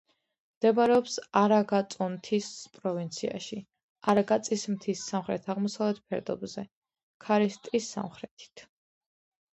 მდებარეობს არაგაწოტნის პროვინციაში, არაგაწის მთის სამხრეთ-აღმოსავლეთ ფერდობზე, ქარის ტის სამხრეთით.